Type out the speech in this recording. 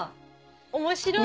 面白い。